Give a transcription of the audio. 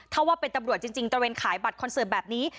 ถ้าว่าเป็นตำรวจจริงตระเวนขายบัตรคอนเสิร์ตแบบนี้